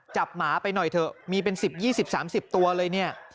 หมาไปหน่อยเถอะมีเป็น๑๐๒๐๓๐ตัวเลยเนี่ย